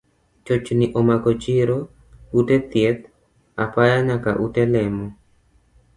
Chochni omako chiro, ute thieth, apaya nyaka ute lemo.